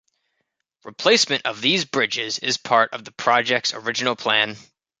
Replacement of these bridges is part of the project's original plan.